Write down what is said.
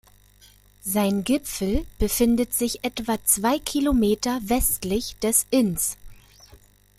Sein Gipfel befindet sich etwa zwei Kilometer westlich des Inns.